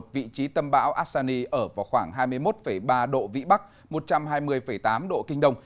vị trí tâm bão asani ở vào khoảng hai mươi một ba độ vĩ bắc một trăm hai mươi tám độ kinh đông